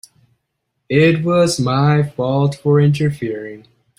It was my fault for interfering.